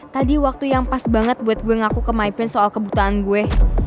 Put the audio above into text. tadi waktu yang pas banget buat gue ngaku ke mypin soal kebutaan gue